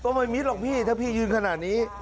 ไม่มิดหรอกพี่ถ้าพี่ยืนขนาดนี้